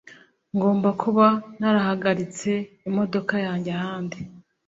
Ngomba kuba narahagaritse imodoka yanjye ahandi